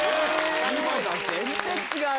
全然違う！